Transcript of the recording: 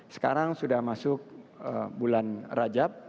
sekarang sudah masuk bulan rajab